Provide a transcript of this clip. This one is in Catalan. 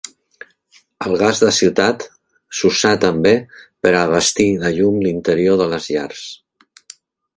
El gas de ciutat s'usà també per a abastir de llum l'interior de les llars.